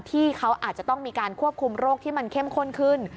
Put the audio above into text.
ที่เขาอาจจะต้องมีการควบคุมโรคที่มันเข้มข้นขึ้น